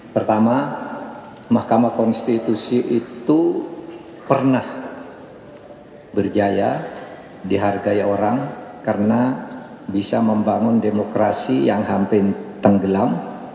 pertama mahkamah konstitusi itu pernah berjaya dihargai orang karena bisa membangun demokrasi yang hampir tenggelam